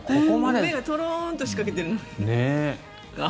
目がとろーんとしかけてる。